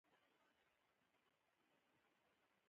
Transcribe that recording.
نړۍ موږ د اتلانو په نوم پیژني.